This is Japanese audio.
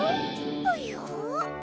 ぽよ？